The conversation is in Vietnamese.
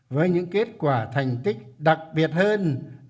với những kết quả thành tích đặc biệt hơn